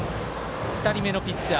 ２人目のピッチャー